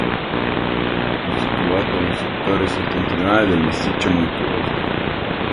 È situato nel settore settentrionale del massiccio montuoso.